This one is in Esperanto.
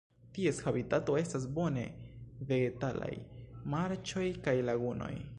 Ties habitato estas bone vegetalaj marĉoj kaj lagunoj.